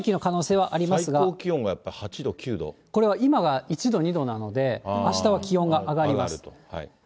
最高気温がやっぱり８度、９これは今が１度、２度なので、あしたは気温が上がります。